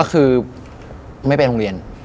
คือไม่ไปโรงเรียน